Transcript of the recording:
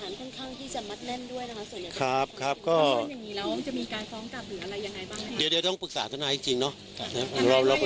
นะครับครับครับก็การต้องปรึกษาธนาอีกจริง